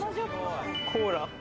コーラ！